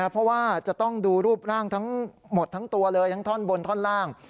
เพราะว่าจะต้องดูรูปร่างทั้งหมดทั้งตัวเลยทั้งท่อนบนท่อนล่าง